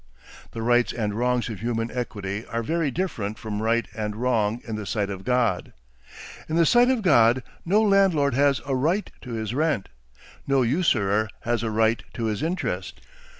... The rights and wrongs of human equity are very different from right and wrong in the sight of God. In the sight of God no landlord has a RIGHT to his rent, no usurer has a RIGHT to his interest.